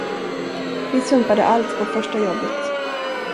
Vi sumpade allt på första jobbet.